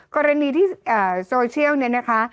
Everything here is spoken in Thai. กรณีที่โซเชียลเนี่ยนะคะ